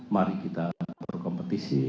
mari kita berkompetisi